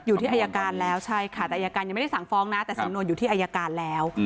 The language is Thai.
อยู่ที่อายการแล้วใช่ค่ะแต่อายการยังไม่ได้สั่งฟ้องนะแต่สำนวนอยู่ที่อายการแล้ว